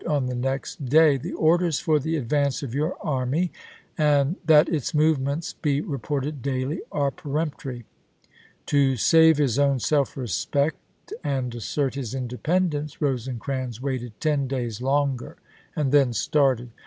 on the next day, " The orders for the advance of your army and that its movements be reported daily are peremptory." To save his own self respect rad. and assert his independence, Rosecrans waited ten days longer, and then started.